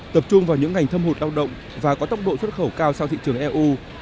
tập trung vào những ngành thâm hụt lao động và có tốc độ xuất khẩu cao sang thị trường eu